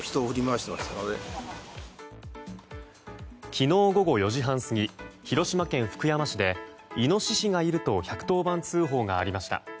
昨日午後４時半過ぎ広島県福山市でイノシシがいると１１０番通報がありました。